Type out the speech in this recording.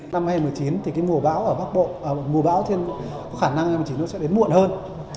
năm hai nghìn một mươi chín thì mùa bão ở bắc bộ mùa bão có khả năng đến muộn hơn